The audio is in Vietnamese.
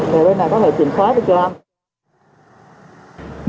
để bên này có thể chuyển xóa được cho anh